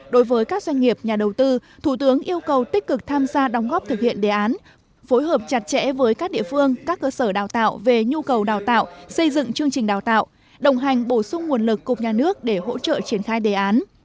đối với các doanh nghiệp nhà đầu tư thủ tướng yêu cầu tích cực tham gia đóng góp thực hiện đề án phối hợp chặt chẽ với các địa phương các cơ sở đào tạo về nhu cầu đào tạo xây dựng chương trình đào tạo đồng hành bổ sung nguồn lực cục nhà nước để hỗ trợ triển khai đề án